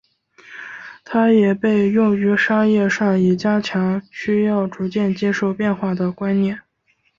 它也被用于商业上以加强需要逐渐接受变化的观念。